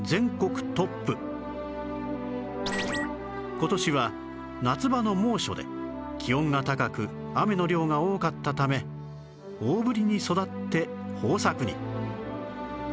今年は夏場の猛暑で気温が高く雨の量が多かったため大ぶりに育って豊作に